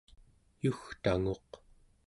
yugtanguq